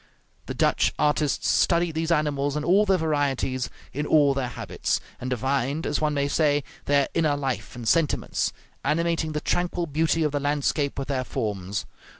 The Dutch artists studied these animals in all their varieties, in all their habits, and divined, as one may say, their inner life and sentiments, animating the tranquil beauty of the landscape with their forms.